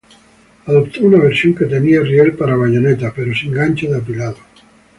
Adoptó una versión que tenía riel para bayoneta, pero sin gancho de apilado.